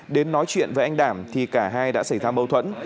đến nói chuyện với anh đảm thì cả hai đã xảy ra mâu thuẫn